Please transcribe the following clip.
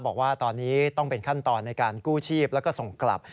บอกว่าตอนนี้ต้องเป็นขั้นตอนในการกู้ชีพแล้วก็ส่งกลับ